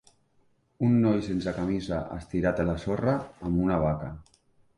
Un noi sense camisa estirat a la sorra amb una vaca.